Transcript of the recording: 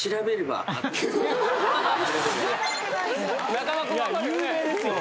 中間君分かるよね？